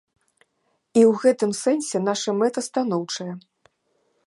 І ў гэтым сэнсе наша мэта станоўчая.